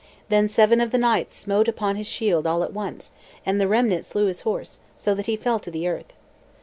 Then seven of the knights smote upon his shield all at once, and the remnant slew his horse, so that he fell to the earth.